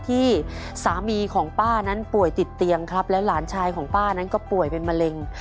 ที่สามีของป้านั้นป่วยติดเตียงครับแล้วหลานชายของป้านั้นก็ป่วยเป็นมะเร็ง